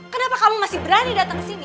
kenapa kamu masih berani datang kesini